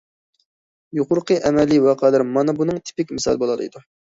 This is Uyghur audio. يۇقىرىقى ئەمەلىي ۋەقەلەر مانا بۇنىڭ تىپىك مىسالى بولالايدۇ.